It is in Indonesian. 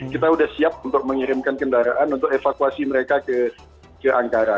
kita sudah siap untuk mengirimkan kendaraan untuk evakuasi mereka ke angkara